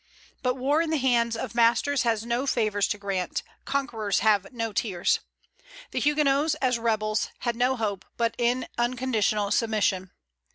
But war in the hands of masters has no favors to grant; conquerors have no tears. The Huguenots, as rebels, had no hope but in unconditional submission.